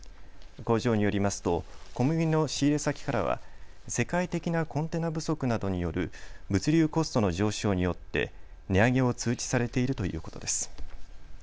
工場によりますと小麦の仕入れ先からは世界的なコンテナ不足などによる物流コストの上昇によって値上げを通知されているということです。